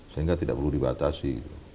sehingga tidak perlu dibatasi